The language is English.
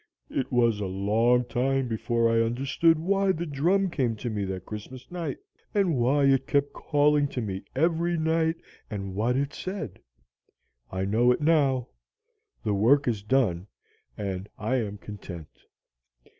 It was a long time before I understood why the drum came to me that Christmas night, and why it kept calling to me every night, and what it said. I know it now. The work is done, and I am content.